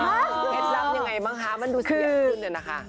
เคล็ดลับยังไงบ้างคะมันดูสวยขึ้นเนี่ยนะคะ